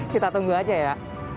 kita tunggu aja ya